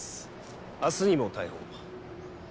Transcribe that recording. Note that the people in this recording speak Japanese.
明日にも逮捕を。